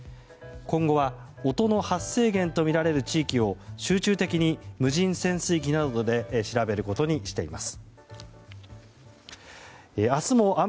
今後は音の発生源とみられる地域と集中的に無人潜水機などで調べることにしています。